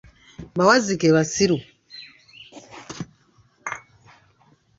Bawazzike basiru.